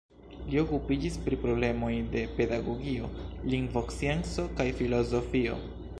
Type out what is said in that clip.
Li okupiĝis pri problemoj de pedagogio, lingvoscienco kaj filozofio.